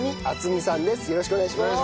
よろしくお願いします。